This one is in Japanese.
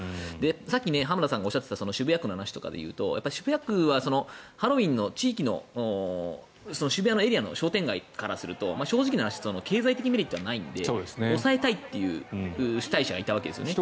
さっき浜田さんがおっしゃっていた渋谷区の話で言うと渋谷区はハロウィーンの地域の渋谷のエリアの商店街からすると正直な話経済的メリットはないので抑えたいという主体者がいたわけですね。